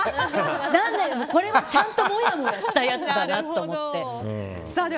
なんだけどこれはちゃんともやもやしたやつだなと思って。